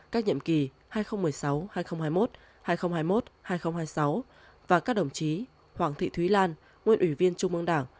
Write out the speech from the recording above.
các nhiệm kỳ hai nghìn một mươi sáu hai nghìn hai mươi một hai nghìn hai mươi một hai nghìn hai mươi sáu và các đồng chí hoàng thị thúy lan nguyên ủy viên trung ương đảng